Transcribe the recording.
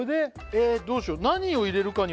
えっどうしよう